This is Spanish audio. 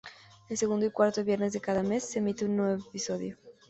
El segundo y cuarto viernes de cada mes se emite un nuevo episodio.